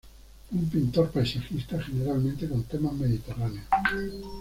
Fue un pintor paisajista, generalmente con temas mediterráneos.